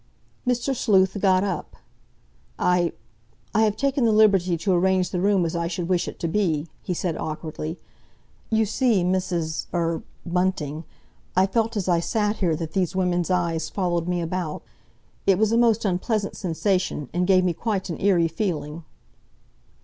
Mr. Sleuth got up. "I—I have taken the liberty to arrange the room as I should wish it to be," he said awkwardly. "You see, Mrs.—er—Bunting, I felt as I sat here that these women's eyes followed me about. It was a most unpleasant sensation, and gave me quite an eerie feeling."